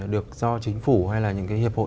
được do chính phủ hay là những cái hiệp hội